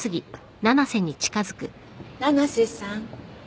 七瀬さん。